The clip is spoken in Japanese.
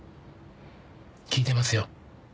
聞いてますよ。